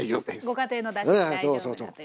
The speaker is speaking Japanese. ご家庭のだしで大丈夫だということですね。